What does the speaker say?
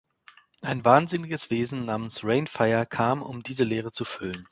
Ein wahnsinniges Wesen namens Reignfire kam, um diese Leere zu füllen.